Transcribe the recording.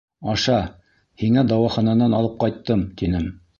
Аша, һиңә, дауахананан алып ҡайттым, тинем.